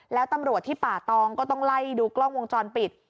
แล้วตำรวจที่ป่าตองก็ต้องไล่ดูกล้องวงจรปิด